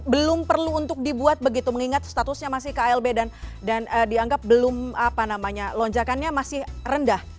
belum perlu untuk dibuat begitu mengingat statusnya masih klb dan dianggap belum apa namanya lonjakannya masih rendah